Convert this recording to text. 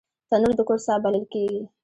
تنور د کور ساه بلل کېږي